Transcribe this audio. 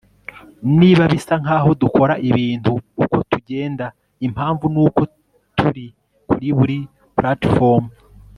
Niba bisa nkaho dukora ibintu uko tugenda impamvu nuko turi Kuri buri platform